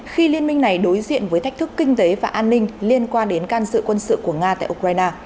khi liên minh này đối diện với thách thức kinh tế và an ninh liên quan đến can sự quân sự của nga tại ukraine